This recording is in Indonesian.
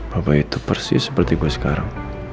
bapak itu persis seperti gue sekarang